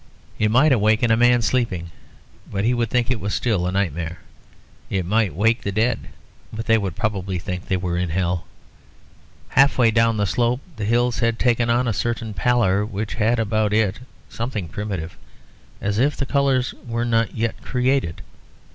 It might awaken a man sleeping; but he would think he was still in a nightmare. It might wake the dead, but they would probably think they were in hell. Halfway down the slope the hills had taken on a certain pallor which had about it something primitive, as if the colours were not yet created.